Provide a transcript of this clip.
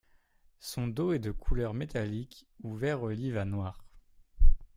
Son dos est de couleur métallique ou vert olive à noir.